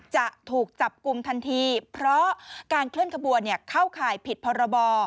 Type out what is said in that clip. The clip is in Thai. จะถูกจับกลุ่มทันทีเพราะการเคลื่อนขบวนเข้าข่ายผิดพรบ